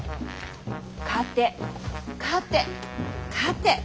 勝て勝て勝て。